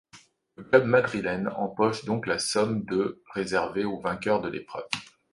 Le club madrilène empoche donc la somme de réservée au vainqueur de l'épreuve.